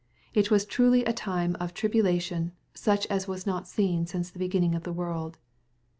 It was truly a time of " tribulation, such as was not since the beginning of the world."